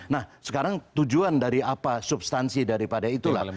nah sekarang tujuan dari apa substansi daripada itulah